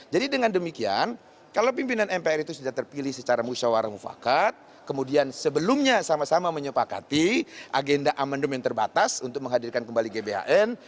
jadi dengan demikian kalau pimpinan mpr itu sudah terpilih secara musyawarah mufakat kemudian sebelumnya sama sama menyepakati agenda amandemen terbatas untuk menghadirkan kembali gbhn